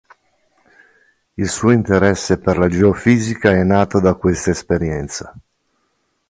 Il suo interesse per la geofisica è nato da questa esperienza.